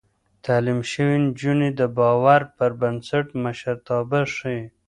تعليم شوې نجونې د باور پر بنسټ مشرتابه ښيي.